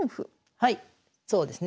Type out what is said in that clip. はいそうですね。